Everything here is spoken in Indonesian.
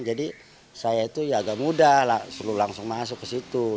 jadi saya itu ya agak mudah lah perlu langsung masuk ke situ